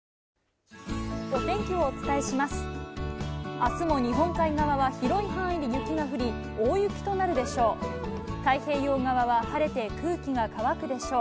あすも日本海側は広い範囲で雪が降り、大雪となるでしょう。